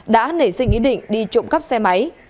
đã nảy sinh ý định đi trộm cắp xe máy